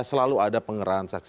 selalu ada pengerahan saksi